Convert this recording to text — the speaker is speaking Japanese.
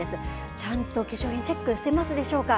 ちゃんと化粧品、チェックしてますでしょうか。